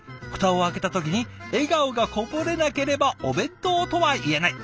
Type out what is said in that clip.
蓋を開けた時に笑顔がこぼれなければお弁当とは言えない」。